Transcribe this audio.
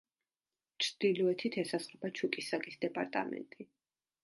ჩრდილოეთით ესაზღვრება ჩუკისაკის დეპარტამენტი.